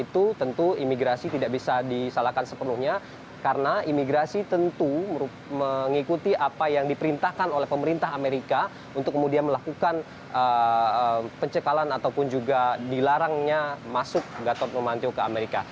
tentu imigrasi tidak bisa disalahkan sepenuhnya karena imigrasi tentu mengikuti apa yang diperintahkan oleh pemerintah amerika untuk kemudian melakukan pencekalan ataupun juga dilarangnya masuk gatot nurmantio ke amerika